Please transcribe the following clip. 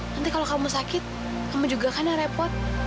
nanti kalau kamu sakit kamu juga kan yang repot